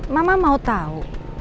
mama mau tau